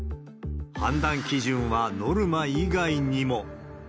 判断基準はノルマ以外にも。